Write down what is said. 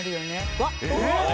うわっ